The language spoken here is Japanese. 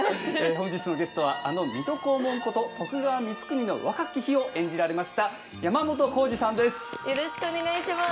本日のゲストはあの水戸黄門こと徳川光圀の若き日を演じられました山本耕史さんです。